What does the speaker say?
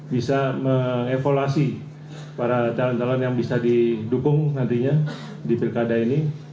bisa mengevaluasi para calon calon yang bisa didukung nantinya di pilkada ini